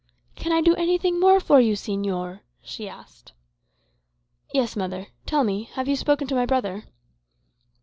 "Can I do anything more for you, señor?" she asked. "Yes, mother. Tell me have you spoken to my brother?"